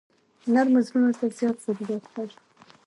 نرمو زړونو ته زیات ضرورت لرو.